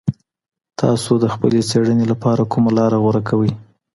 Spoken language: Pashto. تاسو د خپلې څېړني لپاره کومه لاره غوره کوئ؟